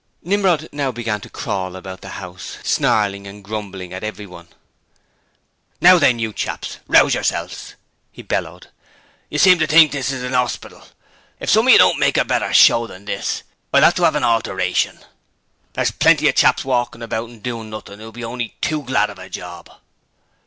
Nimrod now began to crawl about the house, snarling and grumbling at everyone. 'Now then, you chaps. Rouse yourselves!' he bellowed, 'you seem to think this is a 'orspital. If some of you don't make a better show than this, I'll 'ave to 'ave a Alteration! There's plenty of chaps walkin' about doin' nothin' who'll be only too glad of a job!'